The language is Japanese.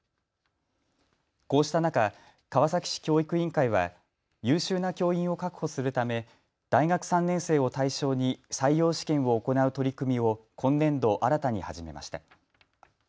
こうした中、川崎市教育委員会は優秀な教員を確保するため大学３年生を対象に採用試験を行う取り組みを今年度新たに始めました。